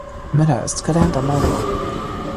Müller ist gelernter Maurer.